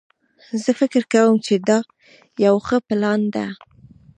زه فکر کوم چې دا یو ښه پلان ده